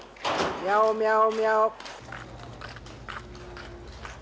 ミャオミャオミャオ。